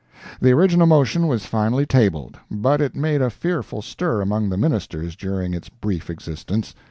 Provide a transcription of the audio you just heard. The original motion was finally tabled, but it made a fearful stir among the Ministers during its brief existence.